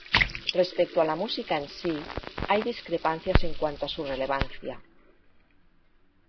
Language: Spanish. Respecto a la música en sí, hay discrepancias en cuanto a su relevancia.